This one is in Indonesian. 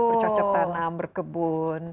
bercocok tanam berkebun